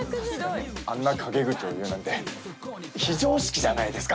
あんな陰口を言うなんて非常識じゃないですか。